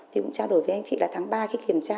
thì cũng trao đổi với anh chị là tháng ba khi kiểm tra